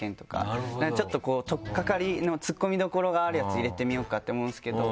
ちょっとこう取っ掛かりのツッコミどころがあるやつ入れてみようかって思うんですけど